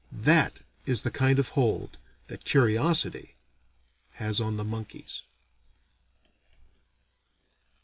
That is the kind of hold that curiosity has on the monkeys.